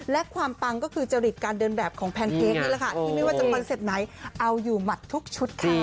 และความปังก็คือจริตการเดินแบบของแพนเค้กนี่แหละค่ะที่ไม่ว่าจะคอนเซ็ปต์ไหนเอาอยู่หมัดทุกชุดค่ะ